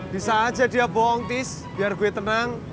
bisa aja dia bohong tis biar gue tenang